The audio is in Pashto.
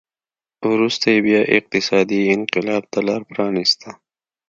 وروسته یې بیا اقتصادي انقلاب ته لار پرانېسته